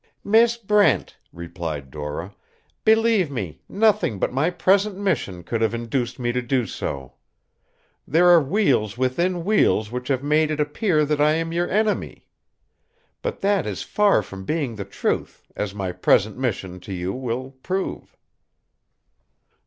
"Miss Brent," replied Dora, "believe me, nothing but my present mission could have induced me to do so. There are wheels within wheels which have made it appear that I am your enemy. But that is far from being the truth, as my present mission to you will prove."